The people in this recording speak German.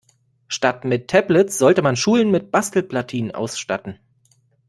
Statt mit Tablets sollte man Schulen mit Bastelplatinen ausstatten.